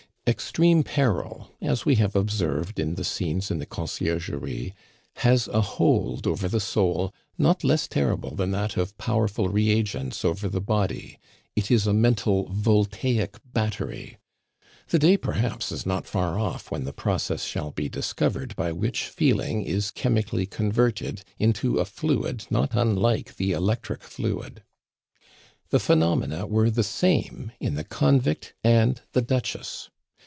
Extreme peril as we have observed in the scenes in the Conciergerie has a hold over the soul not less terrible than that of powerful reagents over the body. It is a mental Voltaic battery. The day, perhaps, is not far off when the process shall be discovered by which feeling is chemically converted into a fluid not unlike the electric fluid. The phenomena were the same in the convict and the Duchess.